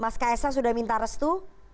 mas kaesang sudah minta restu